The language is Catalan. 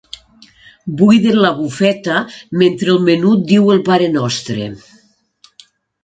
Buiden la bufeta mentre el menut diu el parenostre.